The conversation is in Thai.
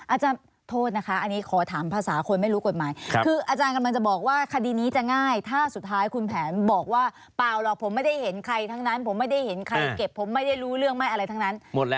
อาจารย์โทษนะคะอันนี้ขอถามภาษาคนไม่รู้กฎหมายคืออาจารย์กำลังจะบอกว่าคดีนี้จะง่ายถ้าสุดท้ายคุณแผนบอกว่าเปล่าหรอกผมไม่ได้เห็นใครทั้งนั้นผมไม่ได้เห็นใครเก็บผมไม่ได้รู้เรื่องไม่อะไรทั้งนั้น